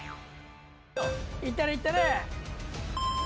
いったれいったれ！